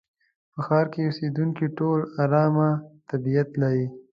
په ښار کې اوسېدونکي ټول ارامه طبيعت لري.